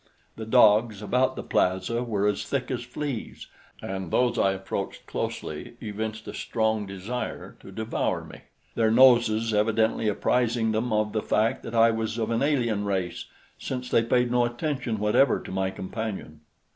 The dogs about the plaza were as thick as fleas, and those I approached closely evinced a strong desire to devour me, their noses evidently apprising them of the fact that I was of an alien race, since they paid no attention whatever to my companion.